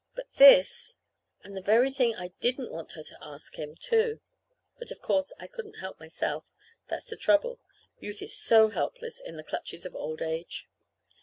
But this and the very thing I didn't want her to ask him, too. But of course I couldn't help myself. That's the trouble. Youth is so helpless in the clutches of old age!